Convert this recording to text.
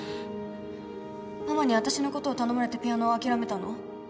ママに私の事を頼まれてピアノを諦めたの？